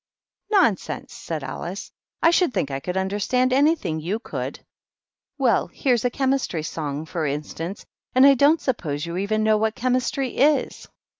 "Nonsense!" said Alice. "I should think I could understand anything you could," " Well, here's a * Chemistry songj for instance ; and I don't suppose you even know what Chem istry is."